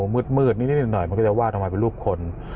๑๘เถียงเมื่อนิดนิดหน่อยมันก็จะวาดมาเป็นรูปคน